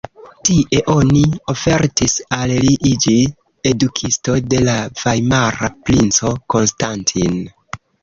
Tie oni ofertis al li iĝi edukisto de la vajmara princo Konstantin.